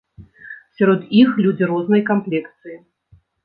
Сярод іх людзі рознай камплекцыі.